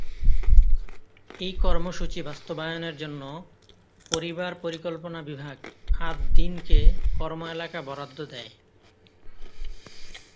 এই কর্মসূচি বাস্তবায়নের জন্য পরিবার পরিকল্পনা বিভাগ আদ্-দ্বীনকে কর্মএলাকা বরাদ্দ দেয়।